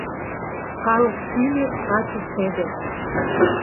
Халык шӱмеш качы шӹдӹ